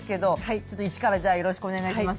ちょっと一からよろしくお願いします。